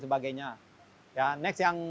sebagainya ya next yang